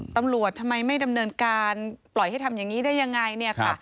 ตำรวจทำไมไม่ดำเนินการปล่อยให้ทำอย่างนี้ได้ยังไงเนี่ยค่ะ